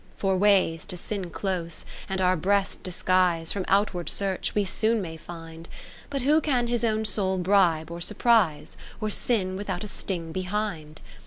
XIX For ways, to sin close, and our breast disguise From outward search, we soon may find : But who can his own soul bribe or surprise. Or sin without a sting behind